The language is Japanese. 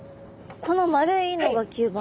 この丸いのが吸盤？